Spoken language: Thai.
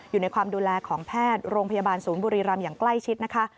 อยู่ในความดูแลของแพทย์โรงพยาบาลศูนย์บุรีรำอย่างใกล้ชิดนะคะ